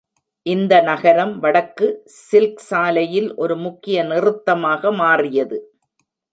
இந்த நகரம் வடக்கு சில்க் சாலையில் ஒரு முக்கிய நிறுத்தமாக மாறியது.